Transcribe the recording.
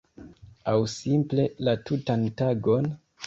Aŭ simple la tutan tagon?